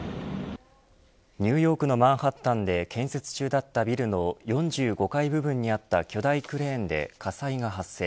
ニューヨークのマンハッタンで建設中だったビルの４５階部分にあった巨大クレーンで火災が発生。